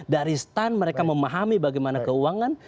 dari stun mereka memahami bagaimana keuangan